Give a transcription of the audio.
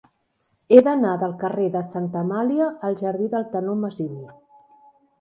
He d'anar del carrer de Santa Amàlia al jardí del Tenor Masini.